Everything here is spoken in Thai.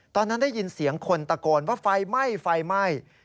ตอนนั้นได้ยินเสียงคนตะโกนว่าไฟไหม้ไฟไหม้